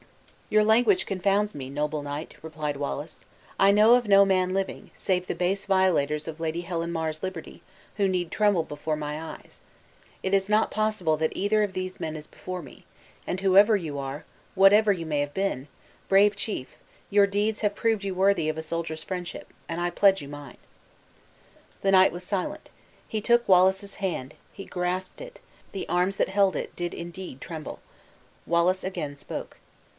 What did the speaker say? "Your language confounds me, noble knight," replied Wallace. "I know of no man living, save the base violators of Lady Helen Mar's liberty, who need tremble before my eyes. It is not possible that either of these men is before me; and whoever you are, whatever you may have been, brave chief, your deeds have proved you worthy of a soldier's friendship, and I pledge you mine." The knight was silent. He took Wallace's hand he grasped it; the arms that held it did indeed tremble. Wallace again spoke.